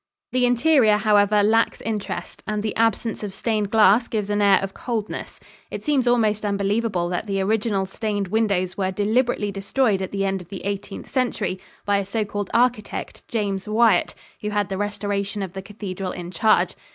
The interior, however, lacks interest, and the absence of stained glass gives an air of coldness. It seems almost unbelievable that the original stained windows were deliberately destroyed at the end of the Eighteenth Century by a so called architect, James Wyatt, who had the restoration of the cathedral in charge.